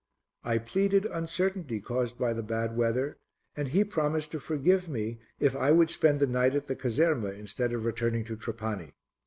I pleaded uncertainty caused by the bad weather, and he promised to forgive me if I would spend the night at the caserma instead of returning to Trapani.